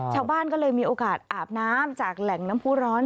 ชาวบ้านก็เลยมีโอกาสอาบน้ำจากแหล่งน้ำผู้ร้อน